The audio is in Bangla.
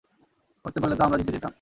করতে পারলে তো আমরা জিতে জেতাম।